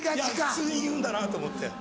普通に言うんだなと思って。